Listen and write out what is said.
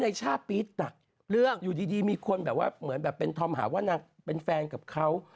นางคิดแบบว่าไม่ไหวแล้วไปกด